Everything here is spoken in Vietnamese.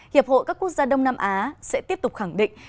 hiệp hội các quốc gia đông nam á sẽ tiếp tục khẳng định